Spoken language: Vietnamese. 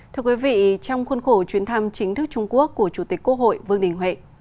thưa quý vị trong khuôn khổ chuyến thăm chính thức trung quốc của chủ tịch quốc hội vương đình huệ